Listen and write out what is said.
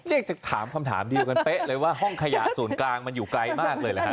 ยังจะถามคำถามเดียวกันเป๊ะเลยว่าห้องขยะส่วนกลางมันอยู่ไกลมากเลยค่ะ